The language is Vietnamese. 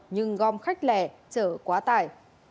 nhưng gom khách lẻ chở quá tải